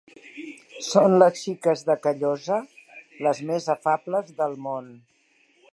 Són les xiques de Callosa les més afables del món.